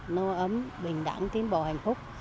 nô ấm bình đẳng tiến bộ hạnh phúc